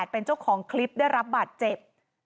เป็นเจ้าของคลิปได้รับบาดเจ็บ